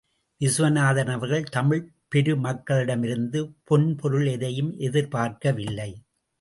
விசுவநாதன் அவர்கள் தமிழ்ப் பெருமக்களிடமிருந்து, பொன்பொருள் எதையும் எதிர்பார்க்கவில்லை.